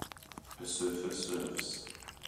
a surfer surfs.